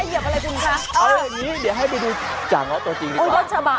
เอาแบบนี้เดี๋ยวให้ดูจากตัวจริงดีกว่า